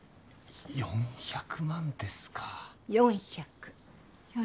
４００万ですか？